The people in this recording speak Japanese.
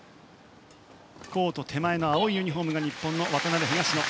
コート手前の青いユニホームが日本の渡辺、東野。